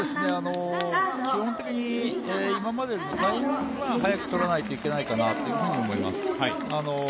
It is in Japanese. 基本的に今までよりタイミングは早く取らなくちゃいけないと思います。